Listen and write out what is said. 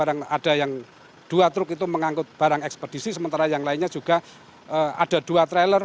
ada yang dua truk itu mengangkut barang ekspedisi sementara yang lainnya juga ada dua trailer